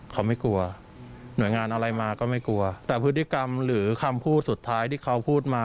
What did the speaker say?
เขาไม่กลัวหน่วยงานอะไรมาก็ไม่กลัวแต่พฤติกรรมหรือคำพูดสุดท้ายที่เขาพูดมา